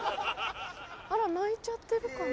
あら泣いちゃってるかな？